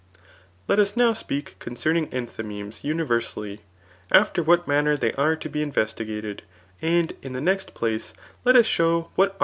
Let us now speak concerning enthymemes univier* sally, after what manner they are to be. investigated; and in the next place, let us show what are